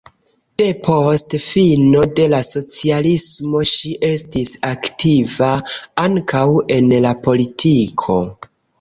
Depost fino de la socialismo ŝi estis aktiva ankaŭ en la politiko.